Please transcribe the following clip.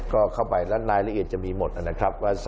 ก็เข้าไปแล้วรายละเอียดจะมีหมดนะครับว่า